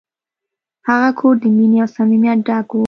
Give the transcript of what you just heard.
هغه کور د مینې او صمیمیت ډک و.